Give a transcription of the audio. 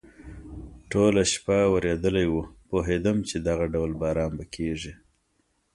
ټوله شپه ورېدلی و، پوهېدم چې دغه ډول باران به کېږي.